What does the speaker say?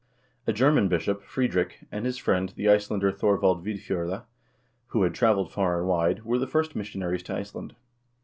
A German bishop, Friedrich, and his friend, the Icelander Thor vald Vidf0rle, who had traveled far and wide, were the first mission aries to Iceland.